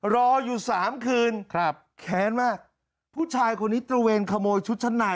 รออยู่สามคืนครับแค้นมากผู้ชายคนนี้ตระเวนขโมยชุดชั้นใน